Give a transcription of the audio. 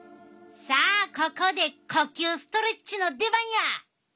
さあここで呼吸ストレッチの出番や！